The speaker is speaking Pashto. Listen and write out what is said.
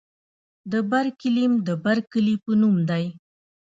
د برکیلیم د برکلي په نوم دی.